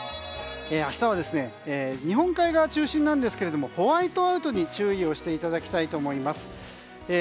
明日は日本海側中心なんですけどもホワイトアウトに注意をしていただきたいと思います。